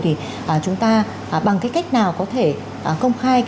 thì chúng ta bằng cái cách nào có thể công khai